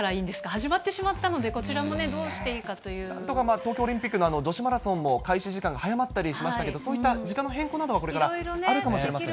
始まってしまったので、こちらもね、なんとか東京オリンピックの女子マラソンも、開始時間が早まったりしましたけれども、そういった時間の変更などはこれからあるかもしれません。